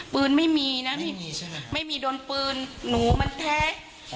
ไม่มีนะไม่มีใช่ไหมไม่มีโดนปืนหนูมันแท้